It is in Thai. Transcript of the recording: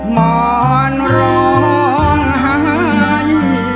หมอนร้องหาย